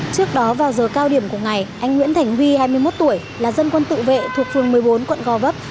trước đó vào giờ cao điểm của ngày anh nguyễn thành huy hai mươi một tuổi là dân quân tự vệ thuộc phường một mươi bốn quận gò vấp